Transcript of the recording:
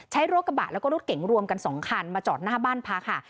รถกระบะแล้วก็รถเก๋งรวมกัน๒คันมาจอดหน้าบ้านพักค่ะ